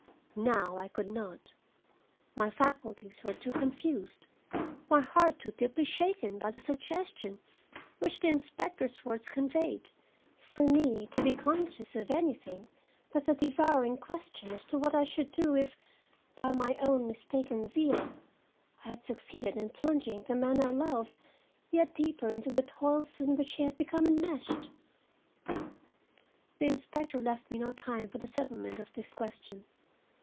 Now I could not. My faculties were too confused, my heart too deeply shaken by the suggestion which the inspector's words conveyed, for me to be conscious of anything but the devouring question as to what I should do if, by my own mistaken zeal, I had succeeded in plunging the man I loved yet deeper into the toils in which he had become enmeshed. The inspector left me no time for the settlement of this question.